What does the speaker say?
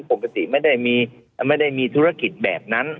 ปกติไม่ได้มีไม่ได้มีธุรกิจแบบนั้น